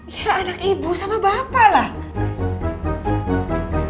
iya anak ibu sama bapak lah